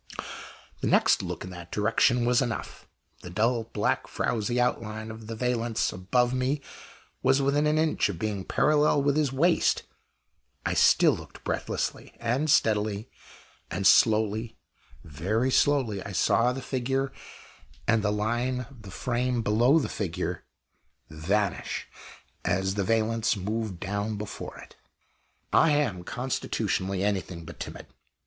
The next look in that direction was enough. The dull, black, frowzy outline of the valance above me was within an inch of being parallel with his waist. I still looked breathlessly. And steadily and slowly very slowly I saw the figure, and the line of frame below the figure, vanish, as the valance moved down before it. I am, constitutionally, anything but timid.